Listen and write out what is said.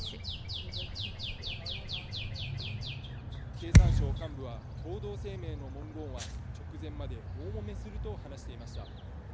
経産省幹部は共同声明の文言は直前まで大もめすると話していました。